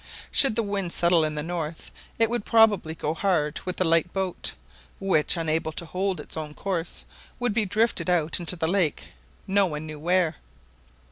Should the wind settle in the north it would probably go hard with the light boat, which, unable to hold its own course, would be drifted out into the lake no one knew where.